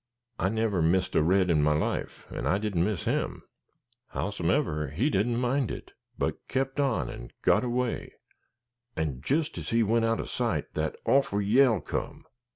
I never missed a red in my life, and I didn't miss him. Howsumever, he didn't mind it, but kept on and got away, and jist as he went out of sight that orful yell come.